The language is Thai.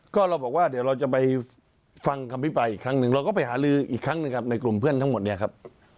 ก็เราบอกว่าเดี๋ยวเราจะไปฟังคำพิปรายอีกครั้งหนึ่งเราก็ไปหาลืออีกครั้งหนึ่งครับในกลุ่มเพื่อนทั้งหมดเนี่ยครับ